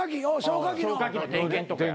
消火器の点検とか。